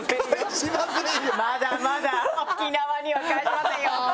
まだまだ沖縄には帰しませんよ。